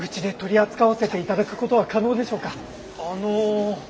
あの。